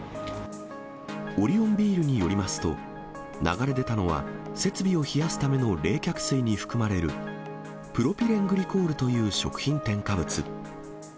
オリオンビールによりますと、流れ出たのは、設備を冷やすための冷却水に含まれるプロピレングリコールという食品添加物。